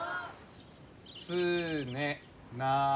「つねならむ」。